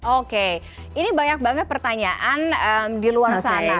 oke ini banyak banget pertanyaan di luar sana